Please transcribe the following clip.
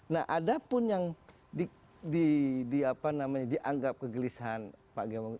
nah ada pun yang dianggap kegelisahan pak gembong